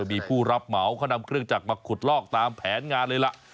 มีผู้รับเหมาเขานำเครื่องจักรมาขุดลอกตามแผนงานเลยล่ะ